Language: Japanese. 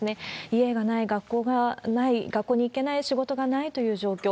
家がない、学校がない、学校に行けない、仕事がないという状況。